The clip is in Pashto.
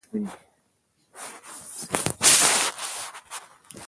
د مڼو د ونو د سپینې ناروغۍ درمل څه دي؟